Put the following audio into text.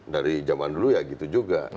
dari zaman dulu ya gitu juga